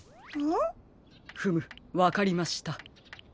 んっ？フムわかりました。